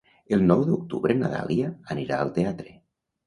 El nou d'octubre na Dàlia anirà al teatre.